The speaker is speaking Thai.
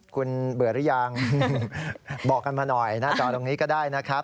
คุณเบื่อหรือยังบอกกันมาหน่อยหน้าจอตรงนี้ก็ได้นะครับ